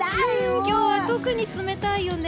今日は特に冷たいよね。